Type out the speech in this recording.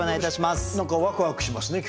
何かワクワクしますね